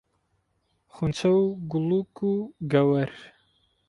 خونچە و گوڵووک و گەوەر